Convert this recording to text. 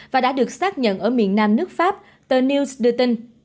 và đã được xác nhận ở miền nam nước pháp tờ news đưa tin